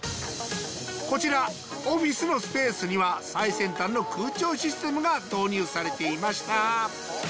こちらオフィスのスペースには最先端の空調システムが導入されていました。